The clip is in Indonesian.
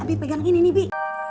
tapi pegang ini nih bi